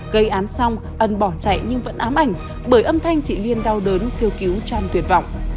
gây án xong ân bỏ chạy nhưng vẫn ám ảnh bởi âm thanh chị liên đau đớn kêu cứu trong tuyệt vọng